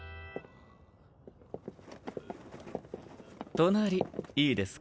隣いいですか？